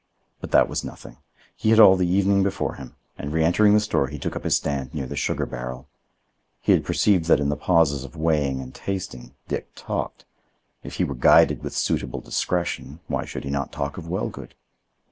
But that was nothing. He had all the evening before him, and reentering the store, he took up his stand near the sugar barrel. He had perceived that in the pauses of weighing and tasting, Dick talked; if he were guided with suitable discretion, why should he not talk of Wellgood?